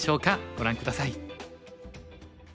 ご覧下さい。